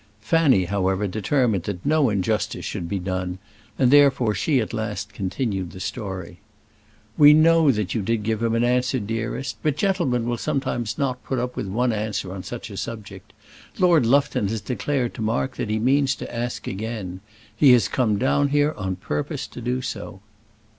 Fanny, however, determined that no injustice should be done, and therefore she at last continued the story. "We know that you did give him an answer, dearest; but gentlemen sometimes will not put up with one answer on such a subject. Lord Lufton has declared to Mark that he means to ask again. He has come down here on purpose to do so."